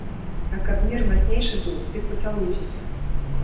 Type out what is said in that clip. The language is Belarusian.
А каб мір мацнейшы быў, дык пацалуйцеся!